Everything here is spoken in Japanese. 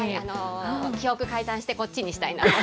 記憶改ざんして、こっちにしたいな。